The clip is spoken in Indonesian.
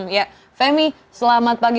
ya femi selamat pagi